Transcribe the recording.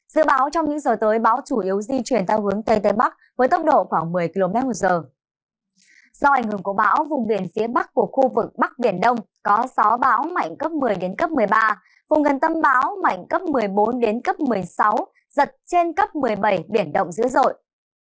vùng gần tâm báo mạnh cấp một mươi bốn đến cấp một mươi sáu giật trên cấp một mươi bảy biển động dữ dội